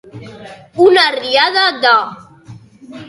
Una riada de.